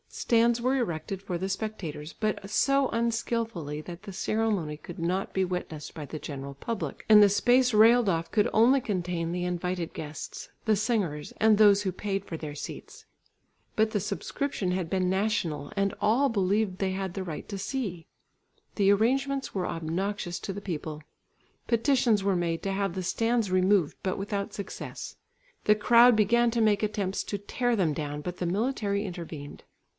Stands were erected for the spectators, but so unskilfully that the ceremony could not be witnessed by the general public, and the space railed off could only contain the invited guests, the singers and those who paid for their seats. But the subscription had been national and all believed they had a right to see. The arrangements were obnoxious to the people. Petitions were made to have the stands removed, but without success. The crowd began to make attempts to tear them down, but the military intervened.